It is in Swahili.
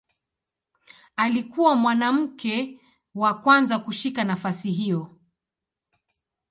Alikuwa mwanamke wa kwanza kushika nafasi hiyo.